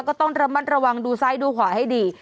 ก็ต้องระมัดระวังดูซ้ายดูขวาให้ดี